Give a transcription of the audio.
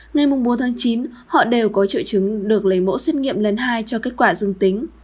ngay mùng bốn tháng chín họ đều có triệu chứng được lấy mẫu xét nghiệm lần hai cho kết quả dương tính